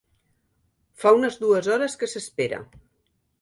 Fa unes dues hores que s'espera.